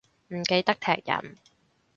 唔記得踢人